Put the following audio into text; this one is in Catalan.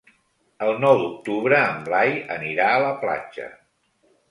El nou d'octubre en Blai anirà a la platja.